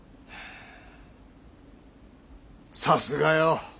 さすがよ。